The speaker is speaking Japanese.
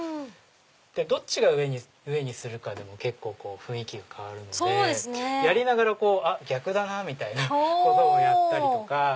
どっちが上にするかでも結構雰囲気が変わるのでやりながら逆だなぁみたいなことやったりとか。